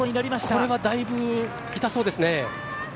これはだいぶ痛そうですね。